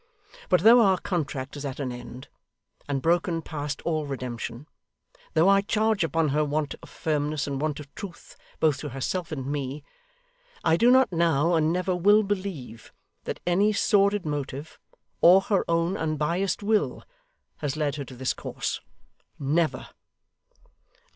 But though our contract is at an end, and broken past all redemption; though I charge upon her want of firmness and want of truth, both to herself and me; I do not now, and never will believe, that any sordid motive, or her own unbiassed will, has led her to this course never!